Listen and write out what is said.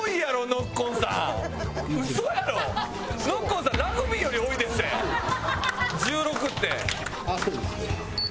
ノッコンさんラグビーより多いですって１６って。